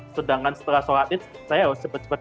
sedangkan setelah sholat itu saya harus cepat cepat